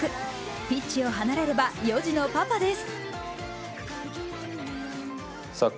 ピッチを離れれば４児のパパです。